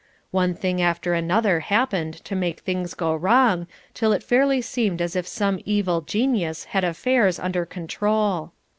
One thing after another happened to make things go wrong, till it fairly seemed as if some evil genius had affairs under control.